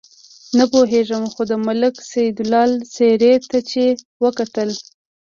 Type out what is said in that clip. نه پوهېږم خو د ملک سیدلال څېرې ته چې وکتل.